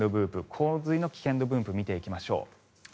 洪水の危険度分布見ていきましょう。